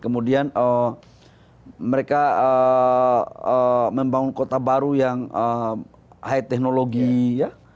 mereka membangun kota baru yang high technology